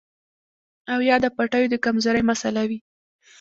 او يا د پټو د کمزورۍ مسئله وي